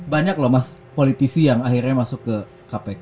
banyak loh mas politisi yang akhirnya masuk ke kpk